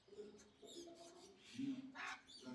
Tak to funguje od samého počátku.